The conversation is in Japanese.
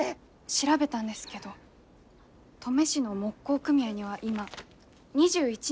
調べたんですけど登米市の木工組合には今２１人の職人さんがいます。